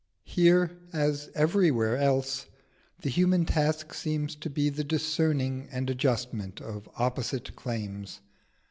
Here, as everywhere else, the human task seems to be the discerning and adjustment of opposite claims.